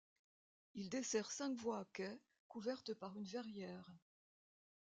Il dessert cinq voies à quai, couvertes par une verrière.